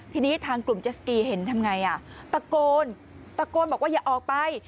ทีนี้ทางกลุ่มเจสสกีเห็นทำไงอ่ะตะโกนตะโกนบอกว่าอย่าออกไป